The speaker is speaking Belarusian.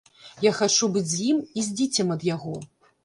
Я хачу быць з ім і з дзіцем ад яго.